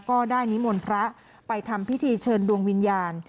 ก็ได้นิมนต์พระไปทำพิธีเชิญดวงวิญญาณ